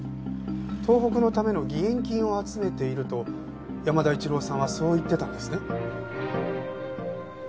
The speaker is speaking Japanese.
東北のための義援金を集めていると山田一郎さんはそう言ってたんですね？